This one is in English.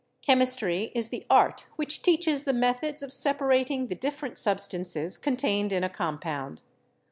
"Chemistry is the art which teaches the methods of separating the different sub* CHEMISTRY stances contained in a compound."